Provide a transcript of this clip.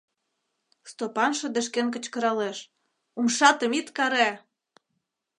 Стопан шыдешкен кычкыралеш: «Умшатам ит каре!»